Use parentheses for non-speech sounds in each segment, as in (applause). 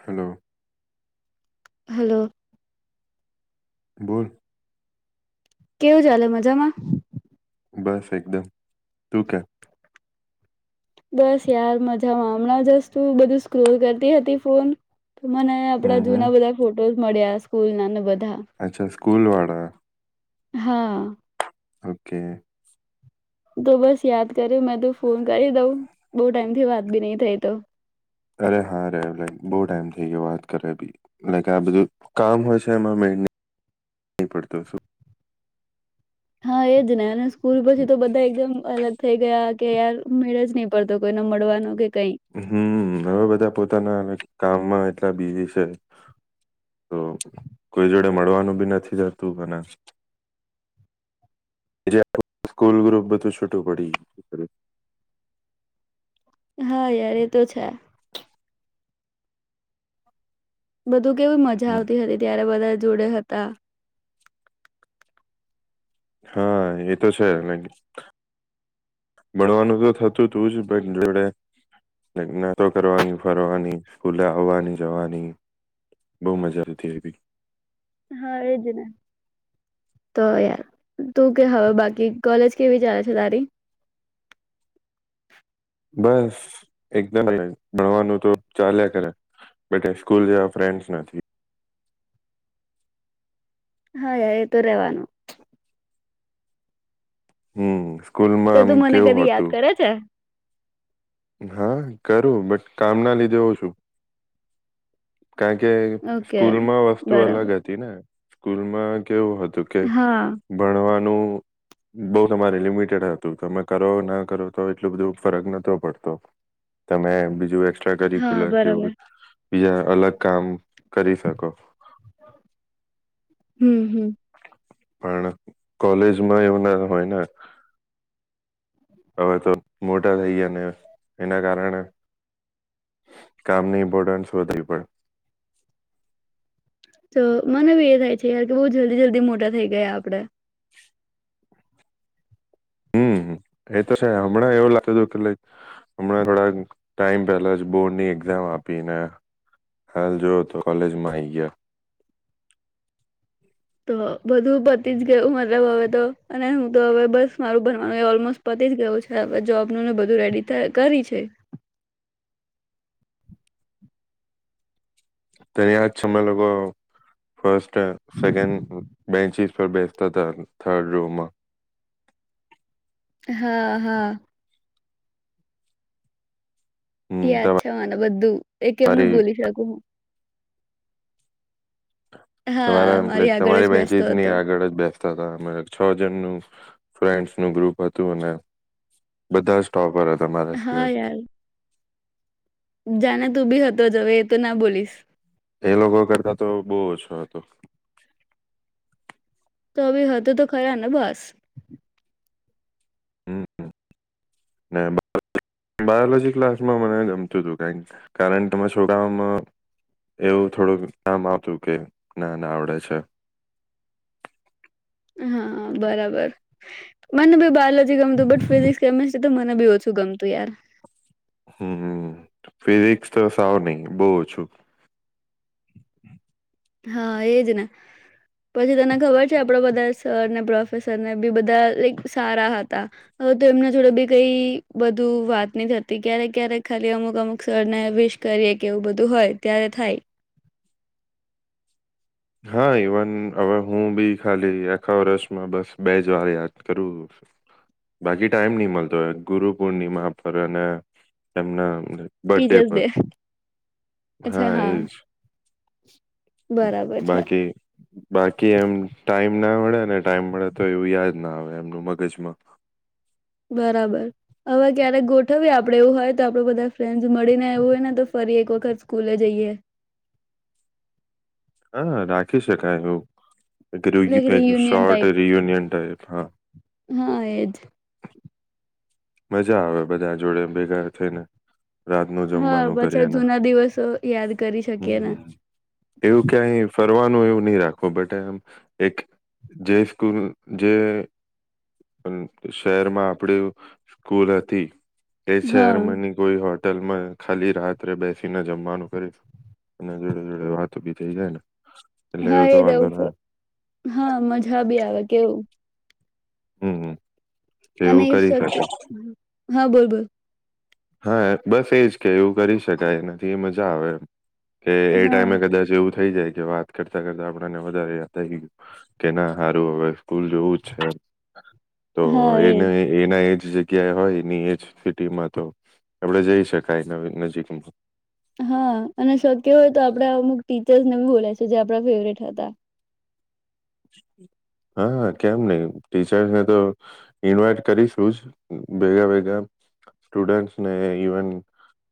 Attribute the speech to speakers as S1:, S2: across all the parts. S1: Hello.
S2: Hello.
S1: બોલ.
S2: કેવું ચાલે મજામાં?
S1: બસ એકદમ, તું કે.
S2: બસ યાર મજામાં હમણાં જસ્ટ તું બધું સ્ક્રોલ કરતી હતી ફોન તો મને આપડા જૂના બધા ફોટોઝ મળ્યા. સ્કૂલના ને બ
S1: અચ્છા સ્કૂલવાળા
S2: હા.
S1: ઓકે.
S2: તો બસ યાદ કર્યુ મે તુ ફોન કરી દઉં બહુ ટાઈમથી વાત બી નઈ થઈ તો.
S1: અરે હા રે લાઈક બહુ ટાઈમ થઈ ગયો વાત કરે ભી લાઈક આ બધું કામ હોય છે એમાં મેર ન
S2: હા એ જ ને અને સ્કૂલ પછી
S1: શું
S2: તો બધા એકદમ અલગ થઈ ગયા કે યાર મેળ જ નહી પડતો કોઈને મળવાનો કઈ
S1: હમ્મ, હવે બધા પોતાના કામમાં એટલા બીઝી છે તો કોઈ જોડે મળવાનું બી નથી થતું અને જે આપડુ સ્કૂલ ગ્રુપ બધું છૂટું પડી ગયું.
S2: હા યાર એ તો છે. બધું કેવી મજા
S1: હમ.
S2: આવતી હતી ત્યારે બધા જોડે હતા.
S1: હા એ તો છે ભણવાનું તો થતું હતું જ જોડે તો કરવાની ફરવાની સ્કૂલે આવવાની જવાની બહુ મજા આતી એવી.
S2: હા એજ ને તો યાર તું કે હવે બાકી કોલેજ કેવી ચલે છે તારી.
S1: બસ એકદમ ભણવાનું તો ચાલ્યા કરે બટ સ્કૂલ જેવા ફ્રેન્ડસ નથી.
S2: હા યાર એ તો રેવાનું.
S1: હમ. સ્કૂલમાં
S2: તો
S1: આમ
S2: તું મને
S1: કેવું
S2: કદી યાદ
S1: હતું
S2: કરે છે.
S1: હા કરું બટ કામ ના લીધે ઓ છું. કારણ કે
S2: ઓકે
S1: સ્કૂલમાં વસ્તુ અલગ
S2: બરાબર
S1: હતી ને. સ્કૂલ માં. કેવું હતું કે
S2: હા
S1: ભણવા. નુ બઉ તમારે લિમિટેડ હતું તમે કરો ના કરો તો એટલું બધું ફરક નતો પડતો. તમે બીજું. એક્સ્ટ્રા
S2: હા
S1: કરિકુલર કે
S2: બરાબર
S1: એવું. બીજ અલગ કામ કરી શકો.
S2: હમ હમ.
S1: પણ કોલેજમાં એવું ના હોય ને હવે તો મોટા થઈ ગયા ને એના કારણે કામની ઇમ્પોર્ટન્સ વધવી પડે.
S2: તો મને બી એ થાય છે યાર કે બહુ જલ્દી જલ્દી મોટા થઈ ગયા આપડે.
S1: હમ એ તો છે હમણાં એવું લાગત હતું કે હમણાં થોડા ટાઈમ પહેલા જ બોર્ડ ની એક્ઝામ આપીને હાલ જોવ તો કોલેજમાં આઈ ગયા.
S2: તો બધું પતી જ ગયું મતલબ હવે તો અને હું તો હવે બસ મારું બનવાનું ઓલમોસ્ટ પતી જ ગયું છે હવે જોબનું ને બધું રેડી કરી છે.
S1: તને યાદ છ અમમે લોકો ફસ્ટ. તો સેગન. બેન્ચિસ પર બેસતા હતા થર્ડ રૂમમાં.
S2: હા હા.
S1: હમ
S2: યાદ છે મને બધું એક એમનું
S1: તમારી
S2: ભોલી શકું હું. હા
S1: તમારા
S2: મારી આગળ
S1: તમારી
S2: જ બેસતો
S1: બેંચિસ ની
S2: હતો
S1: આગળ જ બેસતા હતા છ જણનું ફ્રેન્ડ્સ નું ગ્રુપ હતું અને બધા સ્ટોપર હતા. તમારે સિવાય.
S2: જાણે તું બી હતો જવે એ તો ના બોલીશ.
S1: એ લોકો કરતા તો બહુ ઓછો હતો.
S2: તો બી હતું તો ખરા ને બસ.
S1: હમ ને બાયોલોજી ક્લાસમાં મને ગમતું હતું ક કારણ તમે છોકઓમાં એવું થોડુંક નામ આવતું કે ના નાને આવડે છે.
S2: હા બરાબર. મને બી બોલોજી ગમતું બટ ફિઝિક્સ કેમિસ્ટ્રી તો મ. ને બી ઓછું ગમતું યાર.
S1: હમ ફિઝિક્સ તો સાવ નહિ બહુ ઓછું.
S2: હા એજ ને પછી તને ખબર છે આપડા બધા સરને પ્રોફેસરને બી બધા સારા હતા હવે તો એમના જોડે બી કઈ બધું વાત નહી થતી ક્યારેક ક્યારેક ખાલી અમુક અમુક સરને વિશ કરીએ કે એવું બધું હોય ત્યારે થાય.
S1: હા ઈવન હવે હું બી ખાલી આખા વર્ષમાં બસ બે જ વાર યાદ કરું બાકી ટાઈમ નહી મળતો ગુરુ પૂર્ણિમા પર અને એમના. બર્થડે
S2: ટીચર્સ
S1: પર
S2: ડે અચ્છા હા બરાબર. છે
S1: બાકી બાકી એમ ટાઈમ ના વડે. ને ટાઈમ મળે તો એવું યાદ ના આવે એમનું મગજમાં.
S2: બરાબર હવે ક્યારેક ગોઠવીએ આપડ એવું હોય તો આપડું બધા ફ્રેન્ડ મળીને આવું હોય ને તો ફરી એક વખત સ્કૂલે જઈએ.
S1: હા રાખી શકાય એવું.
S2: લાઈક
S1: અગર
S2: રિયુનિયન
S1: શારટ
S2: ટાઈપ
S1: રિયુનિયન ટાઈપ હા.
S2: હા એજ
S1: મજા આવે બધા જોડે ભેગા થઈને. રાતનું
S2: હા
S1: જમવાનું
S2: બચા
S1: કરીએને
S2: જૂના દિવસો યાદ કરી શકીએ ને.
S1: ફરનું એવું નહી રાખો બટ એમ એક જે સ્કૂલ જે શહેરમાં આપડ સ્કૂલથી કે
S2: હા
S1: શર્મની કોઈ હોટ હોટેલમાં ખાલી રાત્રે બેસીને જમવાનું કરીશું અને જોડે જોડે વાતો બી થઈ જાય ને. એટલે
S2: હા
S1: એવું
S2: એ
S1: તો
S2: જ
S1: વાંધો ના આવે.
S2: હા મજા બી આવે. કેવું
S1: હમ હમ.
S2: અને
S1: એવું કરી
S2: શક્ય
S1: શકાય
S2: હા બોલ બ
S1: હા બસ એજ કે એવું કરી શકાય એના એ મજા આવે એ. કે એ
S2: હા
S1: ટાઈમે કદાચ એવું થઈ જાય કે વાત કરતા કરતા આપણને વધારે યાદ થઈ ગયું કે ના સારું હવે સ્કૂલ જોવું જ છે. તો
S2: હા
S1: એને
S2: એજ
S1: એના એજ જગ્યાએ હોય એની એ જ સિટીમાં તો આપડે જઈ શકાય નવી નજીકમા
S2: હા અને શક્ય હોય તો આપડે અમુક ટીચર્સને બી બોલાય છે જે આપણા ફેવરેટ હતા.
S1: હા કેમ નહી ટીચર્સને તો ઈન્વાઈટ કરીશું ભેગા ભેગા સ્ટુડને ઈવન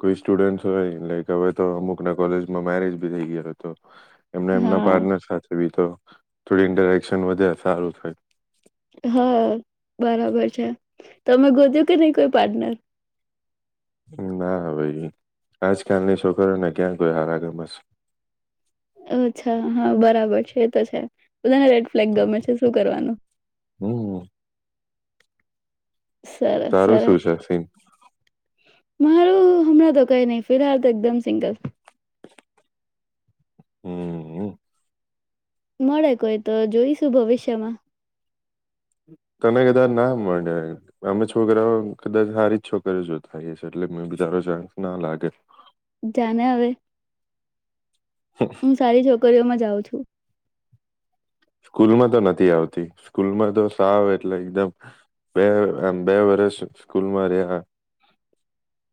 S1: કોઈ સ્ટુડ હોય હવે તો અમુક ના કોલેજમાં મેરેજ ભી થઈ ગય હતો. એમને એમના
S2: હા
S1: પાર્ટનર સાથે. એ ભી તો થોડી ઇન્ટરેક્શન વધે સારું થય.
S2: હા બરાબર છે તમે ગોત્યું કે નહી કોઈ પાર્ટનર.
S1: ના ભાઈ આજકાલની છો કરરો ને ક્યાં કોઈ હાર ગમસ.
S2: અચ્છા હા બરાબર છે એ તો છે. બધાને રેડ ફ્લેગ
S1: તો
S2: ગમે છે શું કરવાનું.
S1: હમ.
S2: સરસ
S1: તારું શું
S2: સરસ
S1: છે સિન.
S2: મારું હમણાં તો કઈ નહી ફિલહાલ તો એકદમ સિંગલ.
S1: હમ હ.
S2: મળે કોઈ તો જોઈશું ભવિષ્યમાં.
S1: તને કદાચ ના મળે અમે છોકરાઓ કદાચ સારી જ છોકરી જો થઈ છે એટલે બ તારો ચાન્સ ના લાગે.
S2: જા આવેવે હું સારી છોકરીઓમાં. જાઉં છું.
S1: સ્કૂલમાં તો નથી આવતી, સ્કૂલમાં તો સાવ એટલે એકદમ બે આમ બે વરસ સ્કૂલમાં રહ્યા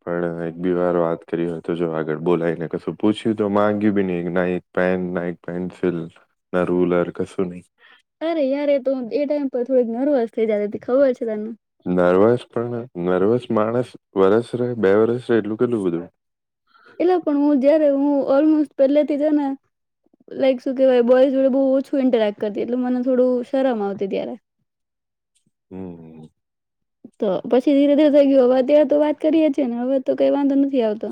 S1: પણ એક બી વાર વાત કરી હોય તો જો આગળ બોલાયને કશું પૂછ્યું તો માંગ્યું બી નહી, ના એક પેન, ના એક પેન્સિલ, ના રૂલર કશું નહી.
S2: અરે યાર તો એ તો એ ટાઈમ પર થોડીક નર્વસ થઈ જાતી તી ખબર છે તને.
S1: નર્વસ પણ નર્વસ માણસ વરસ રહે બે વરસ રહે એટલું કેટલું બધું.
S2: એલા પણ હું જયારે હું ઓલમોસ્ટ પહેલેથી છે ને લાઈક શું કહેવાય બોયઝ જોડે બહુ ઓછું ઇન્ટરેક્ટ કરતી એટલે મને થોડું શરમ આવતી ત્યારે.
S1: હમ્મ.
S2: તો પછી ધીરે-ધીરે થઈ ગયું, હવે અત્યારે તો વાત કરીએે છીએ ને હવે તો કઈ વાંધો નથી આવતો.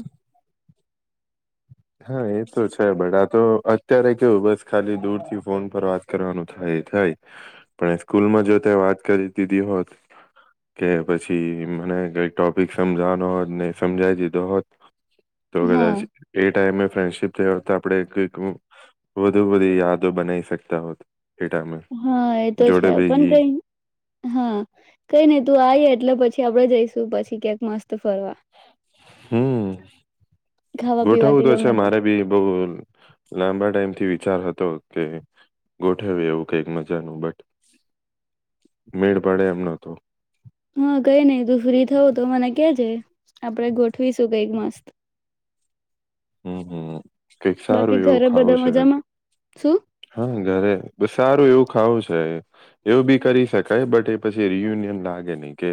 S1: હા એ તો છે, બટ આ તો અત્યારે કેવું બસ ખાલી દૂર થી ફોન પર વાત કરવાનું થાય એ થાય, પણ સ્કૂલમાં જો તે વાત કરી દીધી હોત કે પછી મને કઈ ટોપિક સમજાવાનો હોત ને ઈ સમજાવી દીધો હોત તો
S2: હા
S1: વધારે સ એમાંય ફ્રેન્ડશીપ થઈ હોત તો આપણેે કઈક ઉ વધુ બધી યાદો બનાવી શકતા હોત. એ ટાઈમે
S2: હા એ તો છે,
S1: જોડે
S2: પણ
S1: ભેગી
S2: કઈ હા કઈ નઈ તું આવી એટલે પછ છી આપડે જઈશું પછી ક્યાંક મસ્ત ફરવા
S1: હમ્મ.
S2: ખાવા પીવા
S1: ગોઠવવું
S2: કે
S1: તો છે
S2: ગમે તે
S1: મારે બી બહું લાંબા ટાઈમ થી વિ ચાર હતો કે ગોઠવવીએ એવું કાઈક મજાનું બટ મેળ પડે એમ નતો.
S2: હા કઈ નઈ, તું ફ્રી થવું તો મને કે જે આપણેે ગોઠવીશું કઈક મસ્ત.
S1: હમ્મ હમ્મ કઈક
S2: બાકી
S1: સારું એવું
S2: ઘરે
S1: ખાવું
S2: બધા
S1: છે.
S2: મજામાં શું
S1: હા ઘરે સારું એવું ખાવું છે એવું બી કરી શકાય બટ એ પછી રિયુનિયન લાગે નહી કે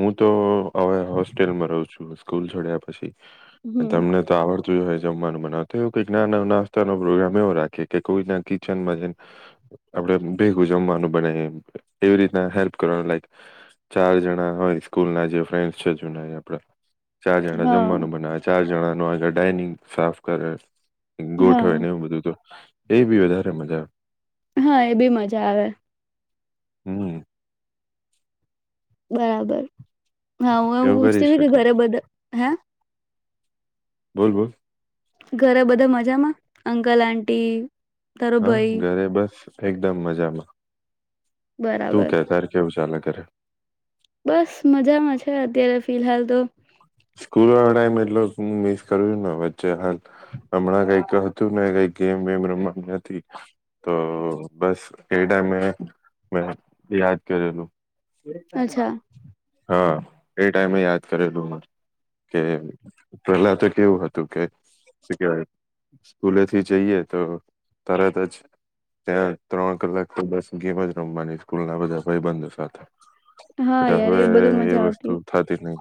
S1: હું તો હવે હોસ્ટેલમાં રહું છું સ્કૂલ છોડ્યા પછી.
S2: હમ
S1: તમને તો આવડત જોય જમવાનું મનાવ એવ કઈ ના નાસ્તાનો પ્રોગ્રામ એવો રાખે કે કોઈના કિચનમાં જાય આપણે ભેગું જમવાનું બને એવી રીતના હેલ્પ કરવાનું લઈક ચાર જણા હોય સ્કૂલ ના જે ફન્ડ છે જના ચાર જણા
S2: હા
S1: જમવાનું બનાવેય ચાર જણા (unintelligible) ડાઇનિંગ સાફ કરે ગોઠવે
S2: હા
S1: ને એવું બધું તો. એ બી વધારે મજા
S2: હા એ બી મજા આવે.
S1: હમ્મ.
S2: બરાબર. હા હું એ
S1: એવું કરી
S2: પૂછતી હોય કે
S1: શકે
S2: ઘરે બધા હે.
S1: બોલ બોલ.
S2: ઘરે બધા મજામાં અંકલ આંટી તારો
S1: હા
S2: ભાઈ
S1: ઘરે બસ એકદમ મજામાં. તું
S2: બરાબર
S1: કે તારે કેવું ચાલે? ઘરે
S2: બસ મજામાં છે અત્યારે ફિલહાલ તો.
S1: સ્કૂલનો ટાઈમ એટલો શું હું મિસ કરું છું ને વચ્ચે હાલ હમણાં કઈક હતું ને કઈક ગેમ વેમ રમવાની હતી, તો બસ એ ટાઈમે મે યાદ કરેલું
S2: અચ્છા
S1: હા. એ ટાઈમે યાદ કરે લુ, કે પહેલા તો કેવું હતું કે સ્કૂલેથી શું કેવાય, સ્કૂલે થી જઈએ તો તરત જ ત્યાં ત્રણ કલાક તો બસ ગેમ જ રમવાની સ્કૂલ ના બધા ભાઈબંધો સાથે.
S2: હા
S1: એટલે
S2: યાર એ
S1: હવે
S2: બધું
S1: એ
S2: મજા
S1: વસ્તુ
S2: આવતી
S1: થતી નહી.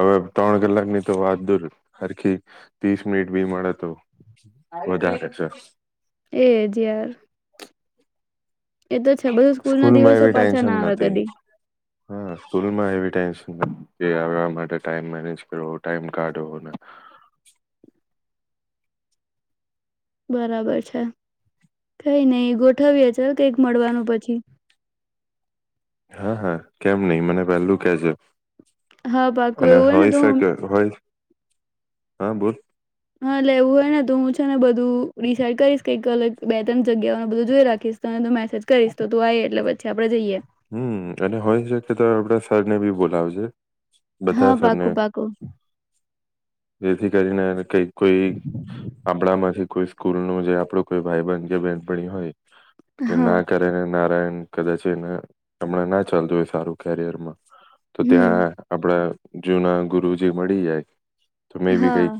S1: હવે ત્રણ કલાક ની તો વાત દૂર, હરખી તીસ મિનિટ બી મળે તો વધારે છે.
S2: એ જ યાર. એ તો છે, બધું સ્કૂલના
S1: સ્કૂલમાં
S2: દિવસો
S1: એવી
S2: પાછા ના
S1: ટેન્શન
S2: આવે
S1: નથી
S2: કદી.
S1: હા સ્કૂલમાં એવી ટેન્શન (unintelligible) ટાઈમ મેનેજ કરવો, ટાઈમ કાઢવો ને
S2: બરાબર છે. કઈ નઈ ગોઠવીએ ચાલ કઈક મળવાનું પછી.
S1: હા, હા કેમ નઈ? મને વહેલું કેજે.
S2: હા પાક્કું
S1: અને
S2: એવું હોય ને તો હું
S1: શકે હોય હા બોલ.
S2: હા એટલે એવું હોય ને તો હું છે ને બધું ડિસાાઈડ કરીશ કઈક અલગ બે તન જગ્યાઓને બધું જોઈ રાખીશ તને તો મેસ જ કરીશ તો તું આઈ એટલે (unintelligible) (unintelligible) જઈએ.
S1: હમ્મ તને હોય શકે તો આપડા સરને બી બોલાવજે.
S2: હા બાકુ બાકુ.
S1: એથી કરીને અને કય કોઈ આપણામાંથી. કોઈ સ્કૂલ નું જે આપણું કોઈ ભાઈબંધ કે બહેનપણી હોય. કે
S2: હા
S1: ના કરે રે નારાયણ કદાચએના અમના ના ચાલજ હોય સારું કેરિયર માં. તો
S2: હમ
S1: ત્યાં આપડે જૂના ગુરુજી મળી જાય. તમે બી કઈક.
S2: હા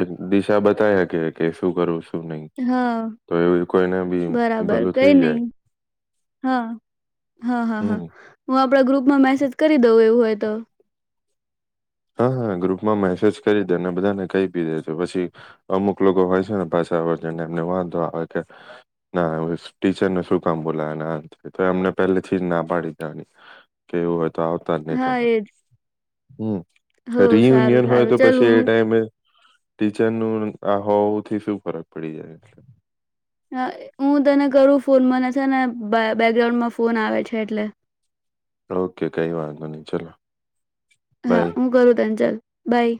S1: અ દિશા બતાયા કે કે શું કરું સુ. નહી
S2: હા
S1: તો (unintelligible) કોઈના બી
S2: બરાબર
S1: ભલું
S2: કઈ
S1: થઈ જાય.
S2: નઈ હા હા હા હા
S1: હમ
S2: હું આપણો. ગ્રુપમાં મેસેજ કરી દઉ એવું હોય તો.
S1: હા હા ગ્રુપમાં મેસેજ કરી દે ને બધાને કઈ બી દે જે પછી અમુક લોકો હોય છે ને પાછા (unintelligible) તેમને વાંધો આવે કે ના ટીચરને શું કામ બોલાવે ને આને તે તો એમને પેલા થી જ ના પાડી દેવાની કે એવું. તો આવતા જ નઈ
S2: હા
S1: તમે.
S2: એજ
S1: હમ્મ.
S2: હો સારું
S1: રિયુનિયન હોય
S2: સારું
S1: તો
S2: ચાલ
S1: પછી
S2: હું
S1: એ ટાઈમ એ. ટીચર નું આ હોવુથી શું ફરક પડી જાય.
S2: હ હું તને કરું ફોન મને છે ને બ બેકગ્રાઉન્ડમાં ફોન આવે છે એટલે.
S1: ઓકે કઈ વાંધો નઈ ચલ.
S2: હા હું કરું તને ચલ બાય.